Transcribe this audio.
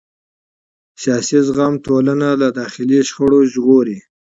سیاسي زغم ټولنه له داخلي شخړو ژغوري